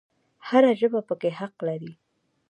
هر ژبه پکې حق لري